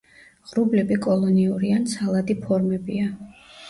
ღრუბლები კოლონიური ან ცალადი ფორმებია.